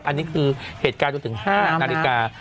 อันนี้คือเหตุการณ์จนถึง๕นาฬิกา